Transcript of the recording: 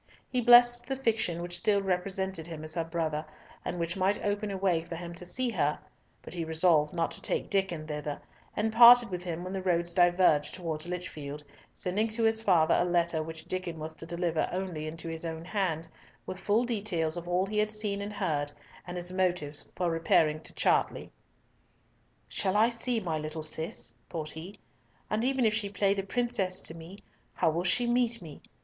He blessed the fiction which still represented him as her brother, and which must open a way for him to see her, but he resolved not to take Diccon thither, and parted with him when the roads diverged towards Lichfield, sending to his father a letter which Diccon was to deliver only into his own hand, with full details of all he had seen and heard, and his motives for repairing to Chartley. "Shall I see my little Cis?" thought he. "And even if she play the princess to me, how will she meet me?